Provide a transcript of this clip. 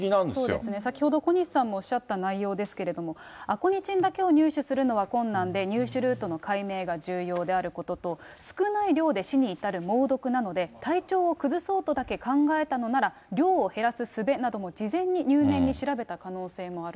そうですね、先ほど小西さんもおっしゃった内容ですけれども、アコニチンだけを入手するのは困難で、入手ルートの解明が重要であることと、少ない量で死に至る猛毒なので、体調を崩そうとだけ考えたのなら、量を減らすすべなども事前に入念に調べた可能性もあると。